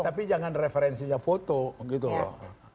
tapi jangan referensinya foto gitu loh